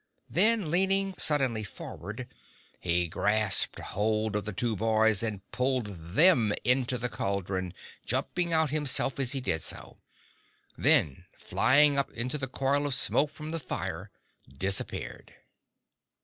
Then, leaning suddenly forward, he grasped hold of the two boys and pulled them into the cauldron, jumping out himself as he did so; then, flying up into the coil of smoke from the fire, disappeared.